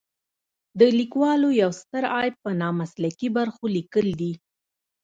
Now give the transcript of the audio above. د لیکوالو یو ستر عیب په نامسلکي برخو لیکل دي.